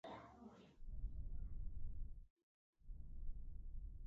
ایا زه پوهنتون ته لاړ شم؟